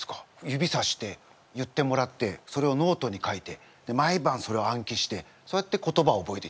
指さして言ってもらってそれをノートに書いてまいばんそれを暗記してそうやって言葉を覚えていったんですよ。